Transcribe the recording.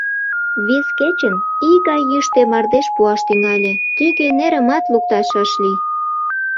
Вес кечын ий гай йӱштӧ мардеж пуаш тӱҥале, тӱгӧ нерымат лукташ ыш лий.